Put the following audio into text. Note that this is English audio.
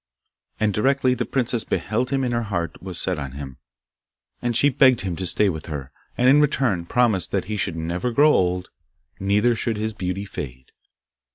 And directly the princess beheld him her heart was set on him, and she begged him to stay with her, and in return promised that he should never grow old, neither should his beauty fade.